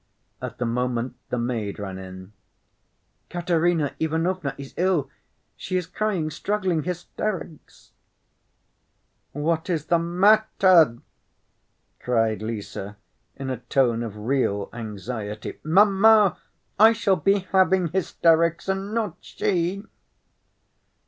At the moment the maid ran in. "Katerina Ivanovna is ill.... She is crying, struggling ... hysterics." "What is the matter?" cried Lise, in a tone of real anxiety. "Mamma, I shall be having hysterics, and not she!"